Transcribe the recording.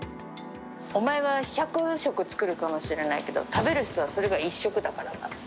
お前は１００食作るかもしれないけど、食べる人は、それが１食だからなって。